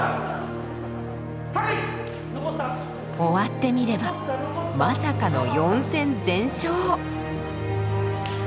終わってみればまさかの４戦全勝。